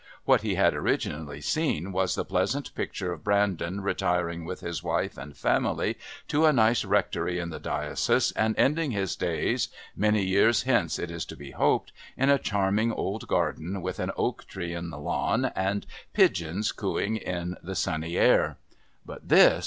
What he had originally seen was the pleasant picture of Brandon retiring with his wife and family to a nice Rectory in the diocese and ending his days many years hence it is to be hoped in a charming old garden with an oak tree on the lawn and pigeons cooing in the sunny air. But this!